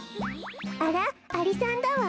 あらアリさんだわ。